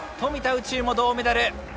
宇宙も銅メダル。